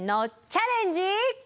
「チャレンジ！」。